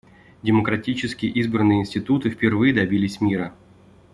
Демократически избранные институты впервые добились мира.